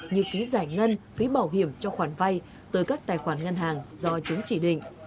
như phí giải ngân phí bảo hiểm cho khoản vay tới các tài khoản ngân hàng do chúng chỉ định